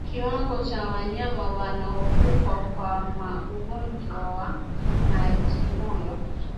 Kiwango cha wanyama wanaokufa kwa ugonjwa wa majimoyo